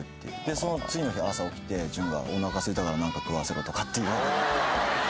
「その次の日朝起きて潤がおなかすいたから何か食わせろとかって」